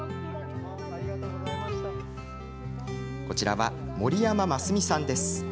こちらは、森山真澄さんです。